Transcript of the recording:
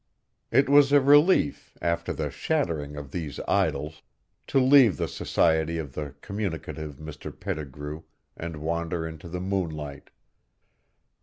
It was a relief, after the shattering of these idols, to leave the society of the communicative Mr. Pettigrew and wander into the moonlight.